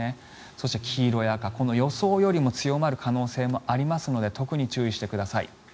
そして黄色や赤、予想よりも強まる可能性もありますので特に注意してください。